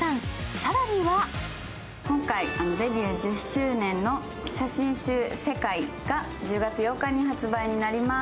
更には今回デビュー１０周年の写真集「世界」が１０月８日に発売になります。